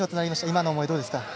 今の思い、どうですか？